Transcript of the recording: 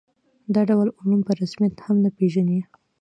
دا ډول علوم په رسمیت هم نه پېژني.